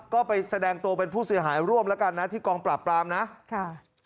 ก็ไปแสดงตัวเป็นผู้เสียหายร่วมแล้วกันนะที่กองปราบปรามนะค่ะ